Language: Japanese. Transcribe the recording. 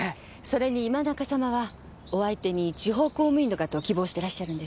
それに今中様はお相手に地方公務員の方を希望してらっしゃるんです。